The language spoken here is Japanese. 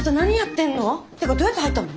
てかどうやって入ったの？